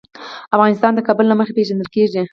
افغانستان د کابل له مخې پېژندل کېږي.